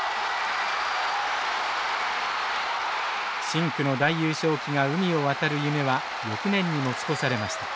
深紅の大優勝旗が海を渡る夢は翌年に持ち越されました。